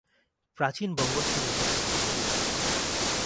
প্রাচীন বঙ্গ ছিল একটি শক্তিশালী রাজ্য।